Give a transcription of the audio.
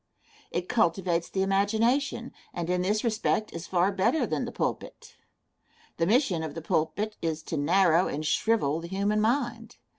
It cultivates the imagination, and in this respect is far better than the pulpit. The mission of the pulpit is to narrow and shrivel the human mind.